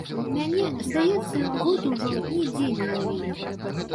Мяне, здаецца, год ужо нідзе не лавілі.